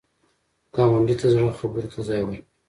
ګاونډي ته د زړه خبرو ته ځای ورکړه